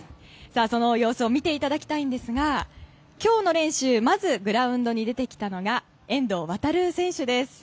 その様子を見ていただきたいんですが今日の練習でまずグラウンドに出てきたのが遠藤航選手です。